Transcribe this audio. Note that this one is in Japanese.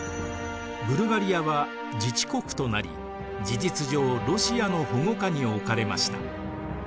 ブルガリアは自治国となり事実上ロシアの保護下に置かれました。